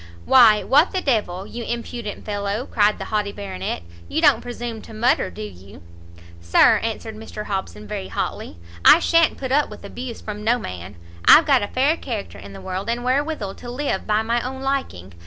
"Why what the d l, you impudent fellow," cried the haughty Baronet, "you don't presume to mutter, do you?" "Sir," answered Mr Hobson, very hotly, "I sha'n't put up with abuse from no man! I've got a fair character in the world, and wherewithal to live by my own liking.